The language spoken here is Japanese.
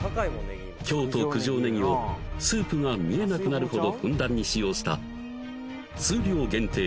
京都九条ネギをスープが見えなくなるほどふんだんに使用した数量限定